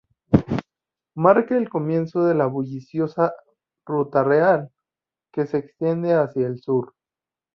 Marca el comienzo de la bulliciosa Ruta Real, que se extiende hacia el sur.